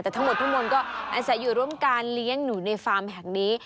แต่ทั้งหมดพี่มนต์ก็อาศัยอยู่ร่วมการเลี้ยงหนูในฟาร์มแห่งนี้